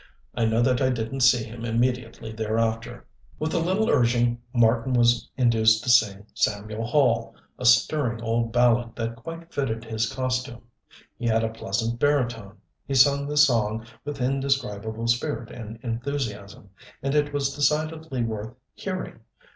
I know that I didn't see him immediately thereafter. With a little urging Marten was induced to sing Samuel Hall a stirring old ballad that quite fitted his costume. He had a pleasant baritone, he sung the song with indescribable spirit and enthusiasm, and it was decidedly worth hearing.